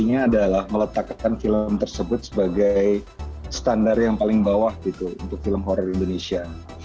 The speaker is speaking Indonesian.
intinya adalah meletakkan film tersebut sebagai standar yang paling bawah gitu untuk film horror indonesia